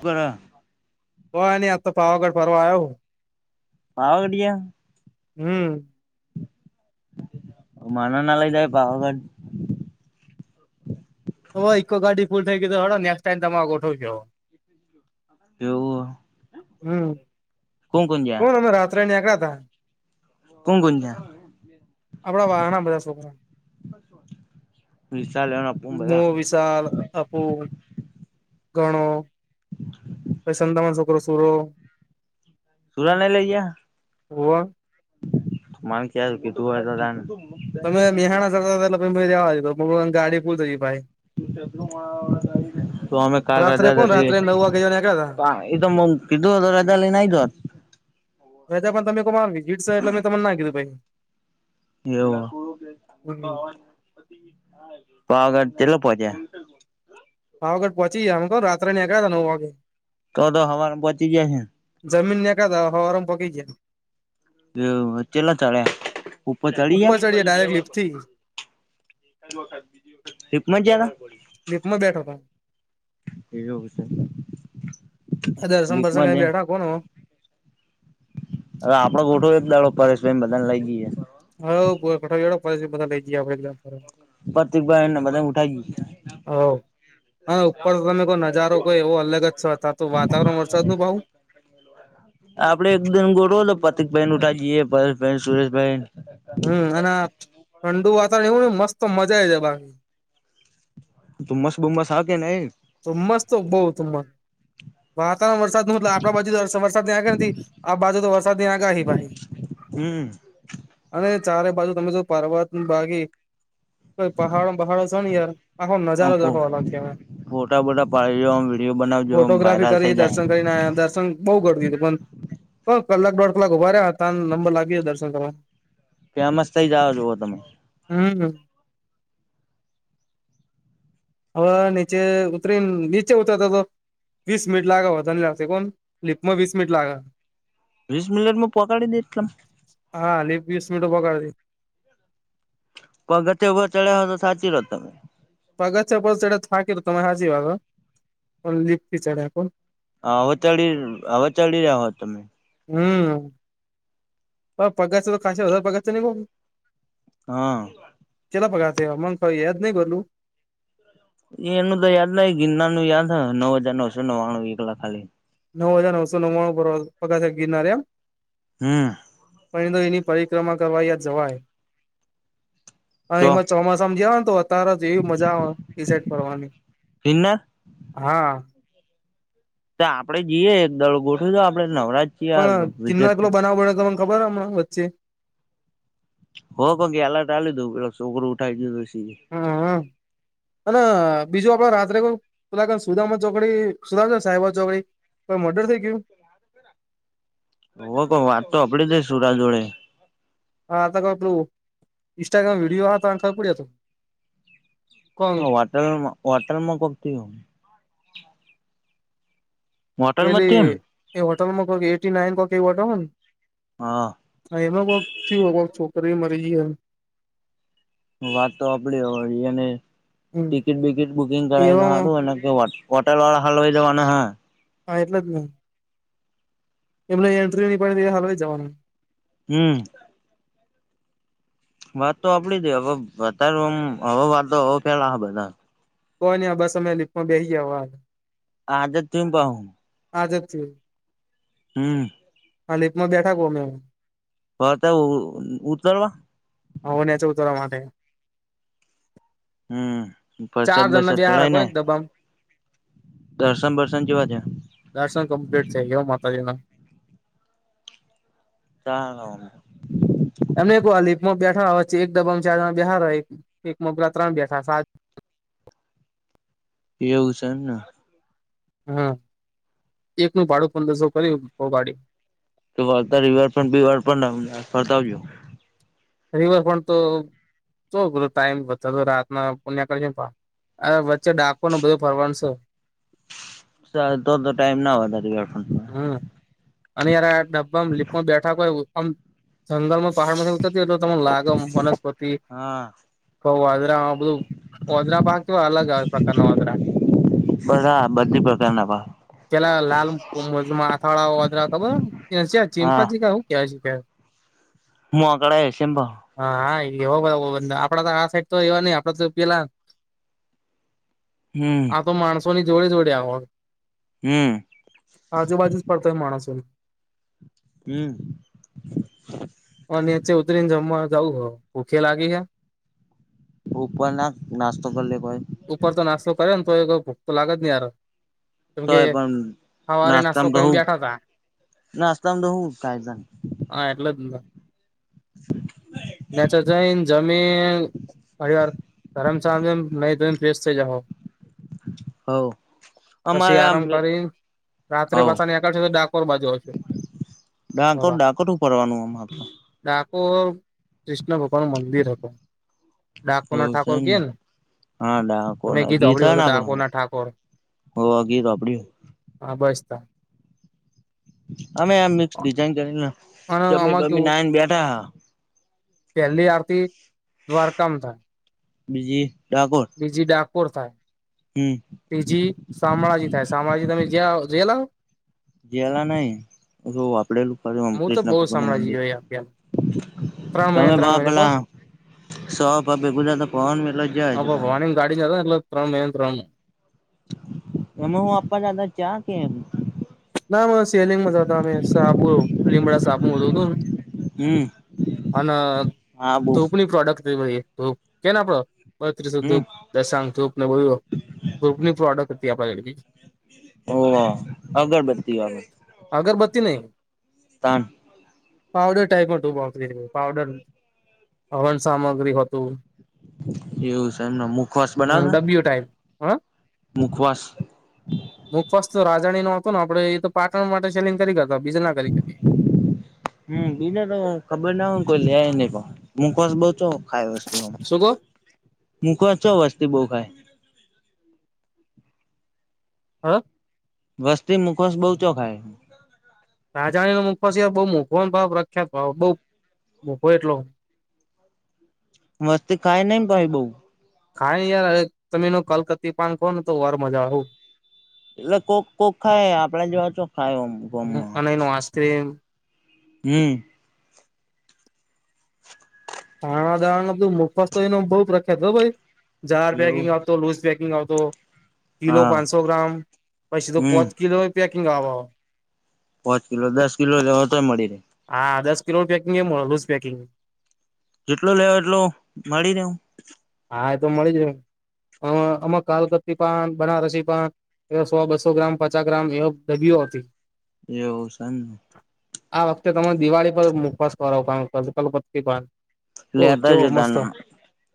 કરા. કોઈ નઈ આ તો પાવાગઢ ફરવા આવ્યો. પાવા ઘડીયા? હમ. મને ના લઈ જાય પાવાઘઢ. હવે ઇકો ગાડી ફુલ થઈ ગઈ તો હેડો નેક્સ્ટ ટાઈમ તમે ગોઠવ જો. એવું હમ્મ, કોણ અમે રાત્રે નેકડા થા કોન કોન જા? આપડા વાહણા બધા છોકરા વિસાલ એણે હું, વિશાલ, અપૂલ, ઘણો પછી સંતામાન છોકરો સૂરો સુરાને લઈ ગયા? હુંવા. મને ખ્યાલ કે તું હે તો દાન. તમે મેહાણા જતા હતા એટલે મેં જાવા ધીદું પણ ગાડી ફૂલ થઇ ગઈ ભાઈ. તો અમે કાલ રાત્રે રજાજ કોણ હતી રાત્રે નવ વાગે જેવા નીકળ્યા તા કા એ તો તમે મેં કીધું હતું રજામા લઈ ને આઈ ગોત. મેં તો પણ તમે કો માર ડીજિટ સાહેબ એટલે મેં તમને ના કીધું ભાઈ. એવું, હમ પાવાગઢ કેટલે પોહોચ્યાં? પાવાગઢ પહોંચી ગયા રાત્રને ગયા નવ વાગે તો તો હવારે મેં પોચી ગયા હે ને? જમીને નીકળેલા હતા હવારે પોચી ગીયા. એવુ કેટલા ચડ્યા? ઉપર ચડી ચડ્યા ડાયરેક્ટ ગયા? લિફ્ટ થી લિફ્ટમાં ગયા તા? લિફ્ટમાં બેઠો તો. એવું છે. આ દર્શન બરશન લીપમાં કઈ છે બેઠા કોનો હવે આપડે ગોઠવો એક દાળો પરેશભાઈ બધાને લઈ જઈએ. હઓ બડો બેસી ગયા બધા બેજિયા કરો. પ્રતિકભાઈ એને બધા ઉઠાઈ ગયું. અને ઉપર તમે કોઈ નજારો કોઈ એવો અલગ જ છે તા તો વાતાવરણ વરસાદ નું [inaudible] ભાવ આપડે એક દિવસ ગોઠવો ને તો પ્રતિકભાઈ ને ઊઠીએ પરેશભાઈને સુરેશભાઈ. હમ્મ અને ઠંડુ વાતાવરણ એવું મસ્ત મજા જ બાકી. ધુંમ્મસ બુમ્મસ આ કે નહી? ધુમ્મસ તો બો ધુમ્મસ વાતાવરણ વરસાદ મતલબ આપણા બાજુ તો વરસાદ ત્યાં આગ નથી આ બાજુ તો વરસાદ ની આગાહી પાહી. હમ અને ચારે બાજુ તમે જો પર્વત ભાગી કોઈ પહાડ [unintelligible] છે, યાર આખો આમ નજારો જ ફો આખો અલગ કહેવાય ફોટા બટા પાડી વિડીયો બનાવજો ફોટોગ્રાફી વાયરલ કરી થઇ જાય. દર્શન કરીને આયા દર્શન બો ગરદી પણ હ કલાક દોઢ કલાક ઉભા હતા, નંબર લાગી ગયો દર્શન કરવા. ફેમસ થઈ જાઓ, જુઓ તમે હમ્મ. હવે નીચે ઉતરીને, નીચે ઉતરતા તો વીસ મીનિટ લાગે વધારે ની પણ લિફ્ટમાં વીસ મનિટ લાગે. વીસ મિનિટમાં પહોંચાડી દેય એમ. હા, ખાલી વિશ મિનિટમાં પોહચાડી પગથિયાં વ ચડ્યા હો તો સાચવતા [unintelligible] પગત્યા પલ ચઢે થાકી ર તમારી હાચી વાત હ પણ લિપી ચડે હ. હવ ચડી હવે ચડી હો તમે હમ્મ. પગથિયાં તો. [unintelligible] હા. કેટલા પગથિયાં થિયા, મને ત યાદ નહી બદુ એ એનું તો યાદ નહી, ગિરનારનું યાદ નવ હજાર નવસો નવાણું, એક લાખ ખાલી નવ હજાર નવસો નવાણું પગથિયાં ગિરનાર, એમ? હમ્મ. પછી તો એની પરિક્રમા કરવા જવાય. તો એમાં ચોમાસામાં જવા ને તો અત્યારે જ એવી મજા એ આવે એ સાઈડ ફરવાની. ગિરનાર હા તો આપડે જઈએ એક દળ ગોઠવું તો આપડે નવરાજ છીએ પણ વિઝટ કિન્ના પે કલો બનાવો બનેને ખબર હમણાને વચ્ચે હો પંખી આલટાલીી દું પેલો છોકરું ઉઠાઈ ગયુંછી હમ્મ અને બીજું આપડે રાત્રે કો પલા સુદામ ચોકડી સુદ સાહેબ ચોકડી કો મર્ર થઈ ગયું ઓ ક વાત તો આપડી જ સુરા જોડે હાઈ પલું ઇન્સ્ટાગ્રામ વિડીયો તો ખબર પડ્યો ત હ વટલમાં હોટલમાં કોકતી હોટલમાં જ પેલી થયું ને એ હોટલમાં ક એટી નાઇન ક ક હોટ હા હા એમાં વથી છોકરી મરી ગઈમ વાત તો આપડી હોને હમ ટિકિટ બિકિટ બુકિંગ એવા કરાવારું કે વાત કોટા લ હાલ હોઈ જવાને હં હા એટલે જને એમને એન્ટ્રીની પાડ હાતે જવાનું હમ વાત તો આપડી જ હવે અતાર આમ હવે વાતો હવે ફેલા હ બધા કોઈ ને આ બસ અમે લીપમાં બેસી જવા આજે તુ પાહુ આ જ થીયું હમ્મ. હા લીપમાં બેઠા ગહ મે. હ ઇ ઈ ઉતરવા હન્યા છે ઉતવા માટે હમ ચાર વરસાદ જણના બરસાદ બેહાડે ચલાય કોઇ ને એક દબામ દર્શન બર્સન કેવા છે દર્શન કમપ્લીટ થઈ માતાજીના ચાલો એમને કો વા લિપમાં બેઠા હો એક ડબામાં ચારમાં બેઠા એક [unintelligible] ત્રણ બેઠા સાત એવું છેને હમ એક નું ભાડું પંદરસો ભર્યું છ ગાડી તો વાર્તા રિવરફ્રન્ટ બી [unintelligible] પતાવ્યું રિવરફ્રન્ટ તો [unintelligible] અ વચ્ચે ડાકોર ને બધું ફરવાનું સે. તો તો ટાઈમ ના વધે રિવર ફ્રન્ટ માં હમ અને યાર આ ડબ્બામાં લીપમાં બેઠા કો હોય આમ જંગલમાં પહાડ માં એ તો તમ લાગમ વનસ્પતિ હા. [unintelligible] અલગ પ્રકારના [unintelligible] બધા બધી પ્રકારના પેલા લાલ માથાડા વાંદરા ખબર હા ચીપનજી [unintelligible] મોકળા [unintelligible] હા હા એવા બધા આપડા તો આ સાઈડ તો એવા નઈ આપણા તો પેલા [inaudible] હમ્મ. આ તો માણસો ની જોડે જોડે આવ હો હમ્મ. આજુબાજુ જ પડતો હોય માણસની હમ્મ. અને [unintelligible] ઉતરીને જમવા જવું હો ભૂખે લાગી હે ઉપર ના નાસ્તો કરલે કોય ઉપર તો નાસ્તો કરે ને તો ભૂખ તો લાગે જ નહી હાર તોય પણ નાસ્તો નાસ્તામાં તો કરીને હું બેઠા તા નાસ્તામાં તો હું [unintelligible] હા એટલે જ ને [unintelligible] નાઈ ધોઈ ને ફેશ થઈ જાઓ. હ. પછી આરામ કરી રાત્રે હવ પાછા નેકળશે તો ડાકોર બાજુ ડાકોર ફરવા ડાકોર હું કરવાનું આમ આપડું ડાકોર કૃષ્ણ ભગવાન મંદિર હતું. તો ડાકોરના એવું છે ઠાકોર એમને કેને ડાકોર ના ઠાકોર [unintelligible] હા બસતો. અમે આ મિક્સ ડિઝાઇન કરીને અને જમી આમાં બમી કેવું નાઈને બેઠા પહેલી આરતી દ્વારકામ થાય. બીજી ડાકોર બીજી ડાકોર થાય. હમ. બીજી શામળાજી થાય શામળાજી તમે જયા જયા લાવો. જલા નહી વાપડેલું ખ હું તો કૃષ્ણ બહુ ભગવાન નું શામળાજી મંદિર. જોયા પેલા ત્રણ મહિને તમે ત્રણ ભ મહિને પેલા સો ભ બેેગુજ તો કોણલો. [unintelligible] એટલે ત્રણ મેને ત્રણ એમાં હું આપા દાદા ચા કે એમ ના સેલિંગ મા આવતા અમે સાબુ લીમડા સાબુ હતોને હમ અન હા બો ધૂપની પ્રોડક્ટ ધૂપ કેને આપડો [unintelligible] હમ ધૂપ દશંગ ધૂપ ને બધ ધૂપની પ્રોડક્ટ હતી [unintelligible] હોવ અગરબત્તી વાલુ અગરબત્તી નહી. તાક. પાવડર ટાઈપ માં તુંકરી પાવડર. હવન સામગ્રી હતું. એવું છે એમને મુખવાસ હ બનાવતા ડબયુ ટાઈમ હ. મુખવાસ. હું ફસ રાજાણી નો હતો ને આપડે એ તો પાટણ માટે સેલિંગ કરી હતો બીજ ના કરી હતી. હમ બીને તો ખબર ના હોય કોઈ લેય નહી પણ હુંકસ બો છો. ખાય વસ્તુ શું કો મુકવાસ ચો વસ્તી બહુ ખાય. હા. વસ્તી મુખવાશ બઉ તો ખાય. રાજાણી નો મુખવા સિવા બહ મોઘો ભાવ પ્રખ્યાત ભાવ બઉ મોઘો એટલો. મસ્તી ખાય નઈ ભાહી બઉ. ખાય ને યાર તમે ન કલકત્તી પાન ખો ને તો વાર મજા આવે આવ. એટલે કોક કોક ખાય આપડે જોવા છો ખાય ગમ. તેમ. હમ. ચાણા દાવા બધું મુફત તો એ બહુ પ્રખ્યાત બ ભાઈ. જાર એવું પેકિંગ આવતો લુઝ પેકિંગ આવતો. કિલો હા પાંચસો ગ્રામ પછીધો હમ પોચ કિલો પેકિંગ આવે. પાંચ કિલો દસ કિલો લેો તોય મળી રહેે. હા દસ કિલો પેકિંગુઝ પેકિંગ જેટલો લેવા એટલો મળી રેવ. હા એ તો મળી જ આમાં કાલકપી પણન બનારસી પાન એ સો બસો ગ્રામ પચાસ ગ્રામ એવા ડબીઓ હતી. એવું છે. આ વખતે તમે દિવાળી પર મુવાસ કરો પણ કકલપતિ પણ લેતા જો તને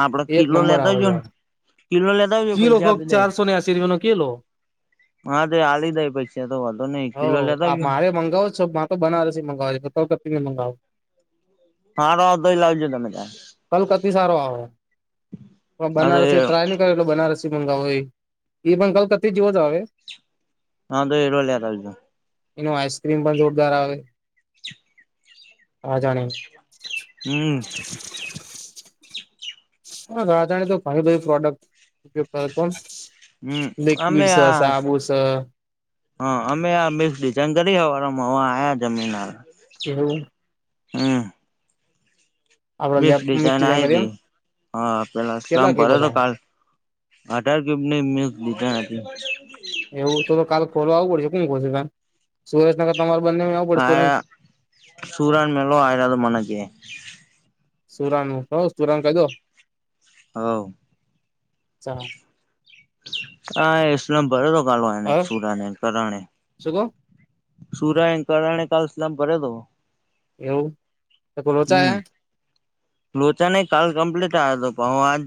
આપડે એક કિલો લેતા જો ને કિલો લેતા- આવજો કલો ક પૈસા આપી દઈ ચારસો ને્યાશસી રૂપિયાનો કી લો. હા તો હલી દાય પછી તો વધો ને એક હ કિલો લેતા આ જાવ ને મારે મંગાવો છો પાન. તો બનારસસી મંગાવવા છેતિને મંગાવો ફાણો આવતો લહી લાવું તમે ત્યાર. કલકતિ સારો આવે હા તો એ બનારસી ત્રાય ન એ બનારસી મંગાવ એ પણ કતિ જવો જ આવે. હું એરો લેતા જાઓ. એનું આઈસ્ક્રીમ પણ જોરદાર આવે. આ જાણે. હમ. હ રાધાણી તો ઘણી બધી પ્રોડક્ટ ઉપયોગ કર હતો. હમ અમે લિક્વિડ સ આ સાબુ સ. હા અમે આ મિક્સ ડિઝન કરી હવાળમાં આયા જમીન હર એવું. હા. આપડે મિક્સ લેબ ડિઝાઇન આઈ કરી એમ હતી હા પેલાલામ કેટલા કે ભ હતો બધા કાલ આટાર કીયુપ ની મિકસ દાય. એવું તો કાલ ખોલવા આવવું પડશે શ કશું સુરેશનગર તમારે બંને એવ આળ સૂરન મેલો આયળદ મન કે.. સુરાનુ કો સુરાન કઈ દો. હવ. ચા. હા સ્લમ ભરે તો કાલ એને સુરાને કરણે શું કોહ? સુરા એ કરણે કાલ સલામ ભર્યા હતો. એવું તો કો લોચા હમ હ લોચા નહી કાલ કમ્પ્લીટ આ તોહ આજ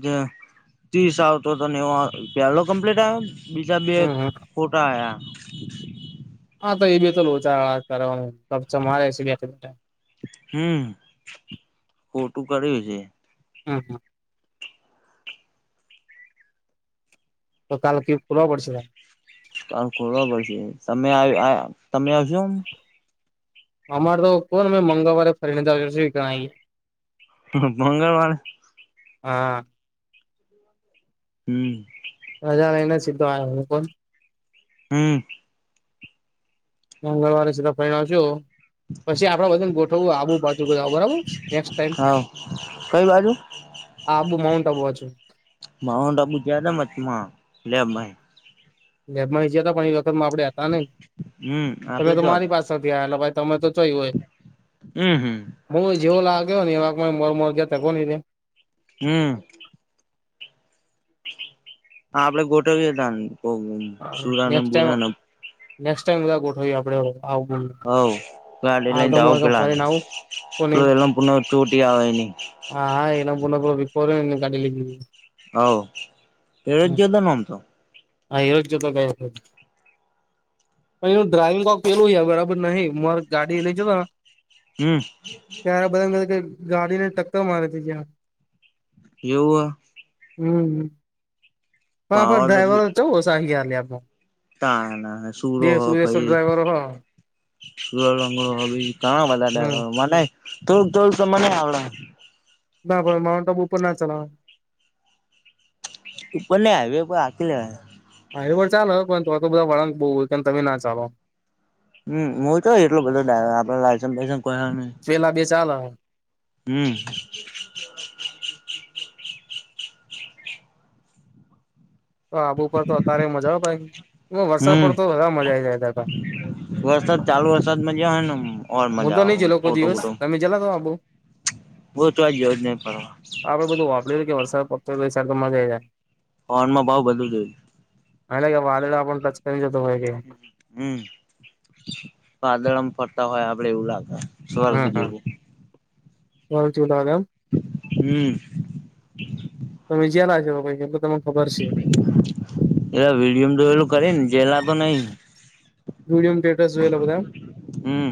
ત્રીસ આવતો હતો ને એવો પેલો કમ્પ્લીટ આવ્યો બીજા બે હમ હમ ખોટા આવ્યા. હા તો એ બી તો લોચા કરવા [unintelligible] નું રે હમ ખોટું કર્યું છે. હા હા. તો [unintelligible] તલલે કે ફોલા પડશે. કામ કરો પછે સમય આય તમે તમે આવશો અમારે તો કોહને અ મંગળવારે ફરીને સ્વીણાએ મંગળવારે. હા. હોય. હમ. મજા લઈને સીધો આ હું પણ હમ. મંગળવારે સીધા ફહ આવ છું પછી આપડા બધાને ગોઠવું આવું બાજુ ગ બરાબર નેક્સસ ટાઈમ હા કઈ બાજુ. હા આબુ માઉન્ટ બાજુ. માઉન્ટ આબુ ગયા થા મતમાં લેબ માઈ લેબમાં ઈજ હતા પણ એ વખત આપડે હતા ને હમ તમે આપડે તો જો મારી હતા પાસે ધલા ભાઈ તમે તો જોય હોય. હમ હમ હું જેવો લાગ્યો ને એ વારમર [unintelligible] ગયા ત નહી હમ. હા આપડે ગોઠવી હતા સુરા અને નેક્સ્ટ ટાઈમ બુરા ન નેક્સ્ટ ટાઈમ બધા ગોઠવી આપણે હ [unintelligible] હવ ગાડી લઈને તો આવ પેલા ને આવું કોની પેલ એલ પુન ચોટી આવે નહી. હા એના પુને પ બ ફોર કડી લઇ. હ એળ જદ ન ગ ય તો ઓમ તો. હા એરોજ જતો કઈ પણ એનું ડ્રાઈવિંગ કોક પેલું બરાબર નહીં મારે ગાડી લેજત તા. હમ. ત્યારે બધાને ગાડી ને ટક્કર મારે હતી જં. એવું હ. હમ પણ પણ પાવર ડ્રાઈવર ચવું સાહીયાર લેબ માં તા ના સુૂરો હ પહી ડ્રાઈવરો હ લુવો લંગડો હ બીજ કા ઘણા હમ બધા મને થોડુંક થોડુંક તો મને આવડે હ. ના ભાઈ માઉન્ટ આબુ પણ ના ચલાવા ઉપર ને હાઇવી પર આકીને હા એ વા પણ ચાલો હ તો તો બધા વળાંક બઉ હોય તમે ના ચાલો. હમ હું તો એટલો બધો [unintelligible] આપડે લાયસન્સસ લાયસન્સ ક હ્ નહી જેલા બે ચાલાહ. હમ્મ. તો આબુ પર તો અત્યારે મજા ભાઈ વરસાદ હમ પડ તો વધાર મજા આઈ જાતા તા. વરસાદ ચાલુ વરસાદ મજા હોય ને ઓર મજા આવે ફોટો બોટો જલા તો બાબું બહુ આજ લોડ નહી પડવા. આપડે બધું વાપરી કે વરસાદ પડતો તો મજા આવી જાય. પવન માં ભાવ વધી ગઈ. હા લા કે વાદલા આપ ટચ કરીને જતો હોય કે. હમ્મ, વાદળ આમ ફરતા હોય આપડે એવું લાગે. સ્વર્ગ હા હા જેવું કહું છું આ એમ. હમ્મ. તમે વિજયા ના કે ભઈ કે લૂ. એ વિડીયો મે એમ કરે ને જેલા તો નઈ. વીડિયો ને ટેક્સ જોએ લો બધા એમ. હમ્મ!